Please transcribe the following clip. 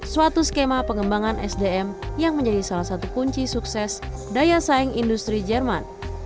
suatu skema pengembangan sdm yang menjadi salah satu kunci sukses daya saing industri jerman